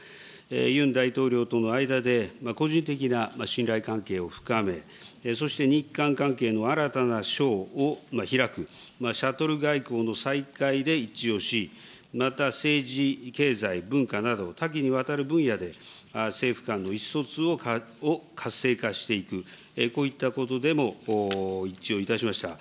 ユン大統領との間で、個人的な信頼関係を深め、そして、日韓関係の新たな章を開く、シャトル外交の再開で一致をし、また政治、経済、文化など、多岐にわたる分野で、政府間の意思疎通を活性化していく、こういったことでも一致をいたしました。